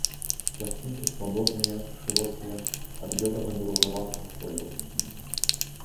Пласцінкі свабодныя, шырокія, ад белага да ружаватага колеру.